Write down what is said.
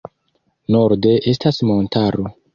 Norde estas montaro.